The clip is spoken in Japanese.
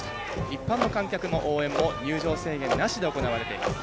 一般の観客の応援も入場制限なしで行われています。